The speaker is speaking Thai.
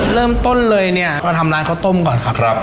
เริ่มต้นเลยเนี่ยเราทำร้านข้าวต้มก่อนครับ